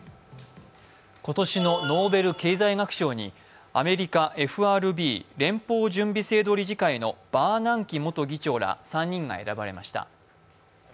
今年のノーベル経済学賞にアメリカＦＲＢ＝連邦準備制度理事会のバーナンキ元議長ら３人が選ばれました。